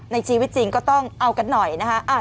ในชีวิตจริงก็ต้องเอากันหน่อยนะคะ